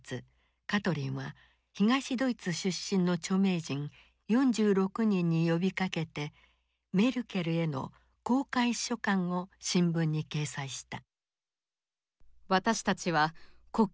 カトリンは東ドイツ出身の著名人４６人に呼びかけてメルケルへの公開書簡を新聞に掲載した。